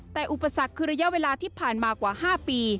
แต่อุปสรรคคือระยะเวลาที่ผ่านมากว่า๕ปี